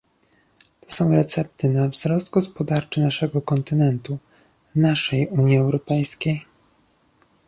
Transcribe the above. To są recepty na wzrost gospodarczy naszego kontynentu, naszej Unii Europejskiej